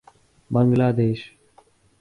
بنگلہ دیش